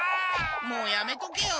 もうやめとけよ。